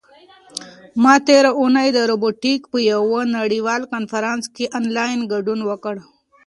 ما تېره اونۍ د روبوټیک په یوه نړیوال کنفرانس کې آنلاین ګډون وکړ.